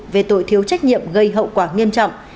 về tội thiếu trách nhiệm gây hậu quả nghiêm trọng